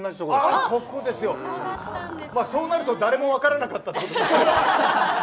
そうなると誰も分からなかったということですね。